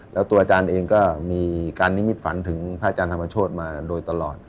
แล้วตัวอาจารย์เองก็มีการนิมิตฝันถึงพระอาจารย์ธรรมโชธมาโดยตลอด